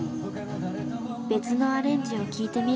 別のアレンジを聴いてみることに。